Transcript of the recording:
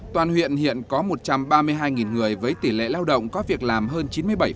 toàn huyện hiện có một trăm ba mươi hai người với tỷ lệ lao động có việc làm hơn chín mươi bảy